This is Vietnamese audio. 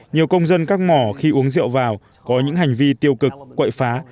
nhiều công dân các mỏ khi uống rượu vào có những hành vi tiêu cực quậy phá